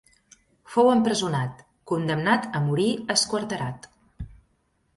Fou empresonat, condemnat a morir esquarterat.